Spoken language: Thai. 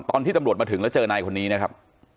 ตอนที่ตำรวจมาถึงแล้วเจอนายคนนี้นะครับ